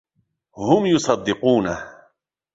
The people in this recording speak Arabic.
هم يصدقونه.